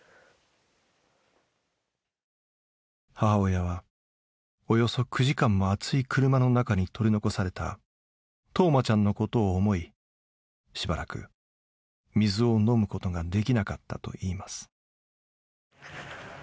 母親はおよそ９時間も暑い車の中に取り残された冬生ちゃんのことを思いしばらく水を飲むことができなかったといいます。